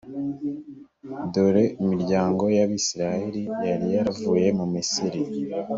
dore imiryango y’abayisraheli yari yaravuye mu misiri.